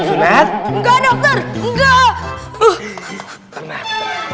enggak dokter enggak